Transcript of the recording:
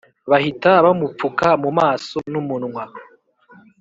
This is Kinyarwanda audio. bahita bamupfuka mumaso n’umunwa